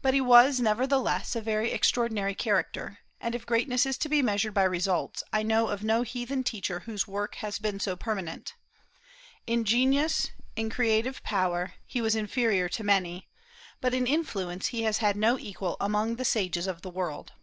But he was, nevertheless, a very extraordinary character; and if greatness is to be measured by results, I know of no heathen teacher whose work has been so permanent. In genius, in creative power, he was inferior to many; but in influence he has had no equal among the sages of the world.